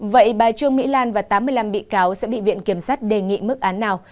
vậy bà trương mỹ lan và tám mươi năm bị cáo sẽ bị viện kiểm sát đề nghị mức án nào